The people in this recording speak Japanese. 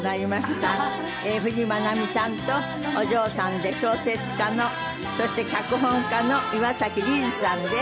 冨士眞奈美さんとお嬢さんで小説家のそして脚本家の岩崎リズさんです。